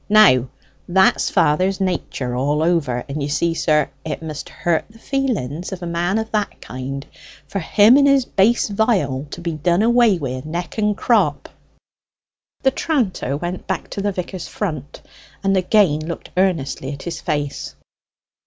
Now that's father's nature all over; and you see, sir, it must hurt the feelings of a man of that kind for him and his bass viol to be done away wi' neck and crop." The tranter went back to the vicar's front and again looked earnestly at his face.